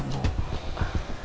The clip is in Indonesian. dan mereka juga kurang berhubung